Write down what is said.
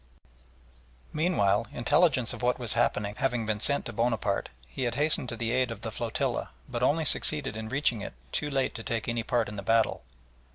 Meanwhile, intelligence of what was happening having been sent to Bonaparte, he had hastened to the aid of the flotilla, but only succeeded in reaching it too late to take any part in the battle.